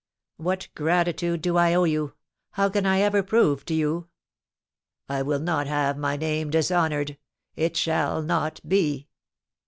"What gratitude do I owe you! How can I ever prove to you " "I will not have my name dishonoured! It shall not be!"